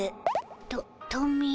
トトミー。